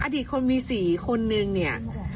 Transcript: อดีตคนมี๔คนนึงเนี่ย